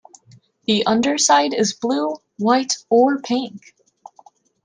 The underside is blue, white, or pink.